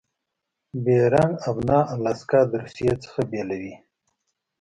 بیرنګ آبنا الاسکا د روسي څخه بیلوي.